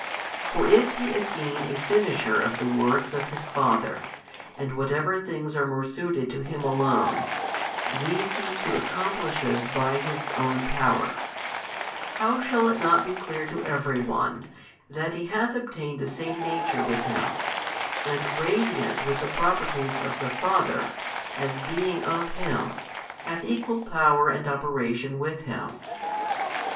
For if He is seen a Finisher 1 of the works of His Father, and whatever things are more suited to Him Alone, these He too accomplisheth by His Own Power: how shall it not be clear to every one, that He hath obtained the Same Nature with Him, and Radiant |293 with the Properties of the Father, as being of Him, hath Equal Power and Operation with Him?